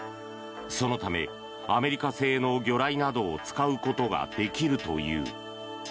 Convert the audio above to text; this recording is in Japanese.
そのためアメリカ製の魚雷などを使うことができるという。